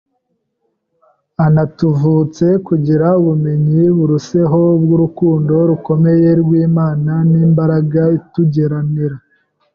anatuvutse kugira ubumenyi buruseho bw’urukundo rukomeye rw’Imana n’imbaraga itugenera,